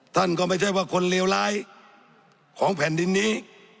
ท่านก็ไม่ใช่ว่าคนเลวร้ายของแผ่นดินนี้